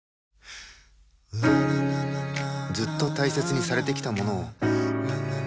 ずっと大切にされてきたものを